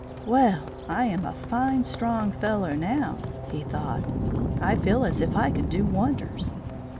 "Well, I am a fine, strong fellow now," he thought. "I feel as if I could do wonders."